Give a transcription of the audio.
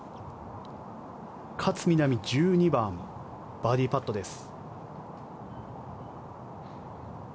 勝みなみ１２番、バーディーパットです。